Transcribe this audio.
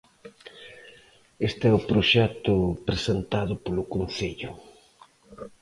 Este é o proxecto presentado polo Concello.